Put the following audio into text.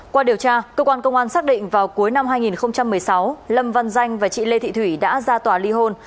qua điều tra cơ quan công an xác định vào cuối năm hai nghìn một mươi sáu lâm văn danh và chị lê thị thủy đã ra tòa ly hôn